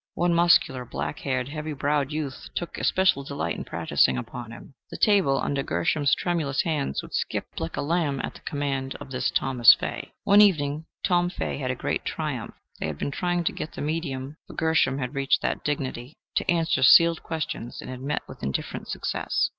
One muscular, black haired, heavy browed youth took especial delight in practicing upon him. The table, under Gershom's tremulous hands, would skip like a lamb at the command of this Thomas Fay. One evening, Tom Fay had a great triumph. They had been trying to get the "medium" for Gershom had reached that dignity to answer sealed questions, and had met with indifferent success.